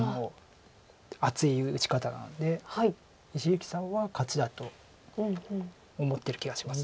厚い打ち方なので一力さんは勝ちだと思ってる気がします。